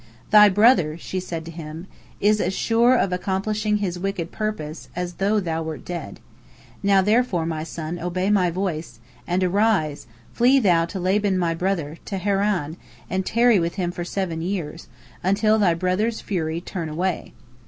"Thy brother," she said to him, "is as sure of accomplishing his wicked purpose as though thou wert dead. Now therefore, my son, obey my voice, and arise, flee thou to Laban my brother, to Haran, and tarry with him for seven years, until thy brother's fury turn away."